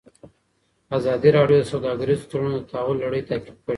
ازادي راډیو د سوداګریز تړونونه د تحول لړۍ تعقیب کړې.